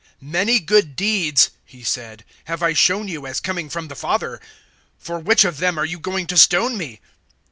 "Many good deeds," He said, "have I shown you as coming from the Father; for which of them are you going to stone me?"